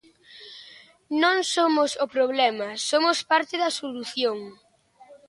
Non somos o problema, somos parte da solución.